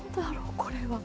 これは。